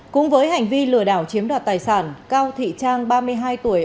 cũng với hành vi lừa đảo chiếm đoạt tài sản cao thị trang ba mươi hai tuổi